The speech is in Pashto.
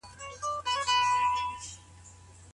د طلاق واک بايد له خاوندسره وي.